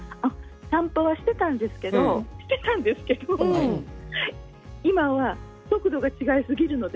散歩はしたんですけど今は速度が違いすぎるので